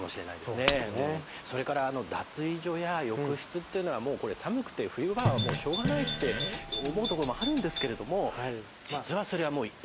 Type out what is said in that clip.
それから脱衣所や浴室っていうのはもうこれ寒くて冬場はもうしょうがないって思うところもあるんですけれども実はそれはもう命に関わることだってことを知る必要ありますね。